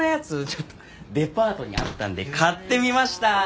ちょっとデパートにあったんで買ってみました！